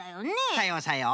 さようさよう。